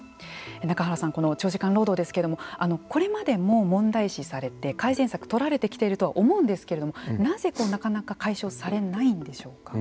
中原さん長時間労働ですけれどもこれまでも問題視されて改善策が取られてきていると思うんですけれどもなぜなかなか解消されないんでしょうか。